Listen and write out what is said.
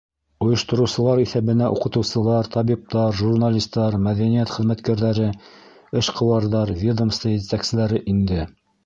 Ойоштороусылар иҫәбенә уҡытыусылар, табиптар, журналистар, мәҙәниәт хеҙмәткәрҙәре, эшҡыуарҙар, ведомство етәкселәре инде.